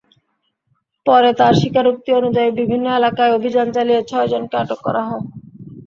পরে তাঁর স্বীকারোক্তি অনুযায়ী বিভিন্ন এলাকায় অভিযান চালিয়ে ছয়জনকে আটক করা হয়।